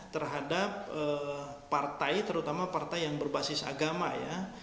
terhadap partai terutama partai yang berbasis agama ya